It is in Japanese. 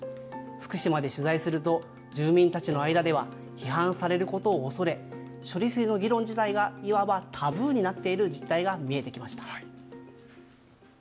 福島で取材すると、住民たちの間では、批判されることを恐れ、処理水の議論自体が、いわばタブーになっている実態が見えてきました。